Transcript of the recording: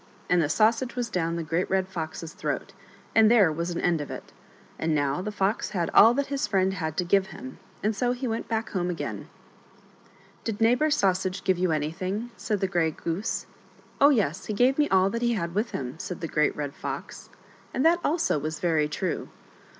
and the Sausage was down the Great Red Fox's throat, and there was an end of it. And now the Fox had all that his friend had to give him, and so h^ went back home again. ^\it(BttatMi^^esnfit!i luf^at Ifmt, " Did Neighbor Sausage give you anything?" said the Grey Goose. " Oh, yes ; he gave me all that he had with him," said the Great Red Fox ; and that also was very true.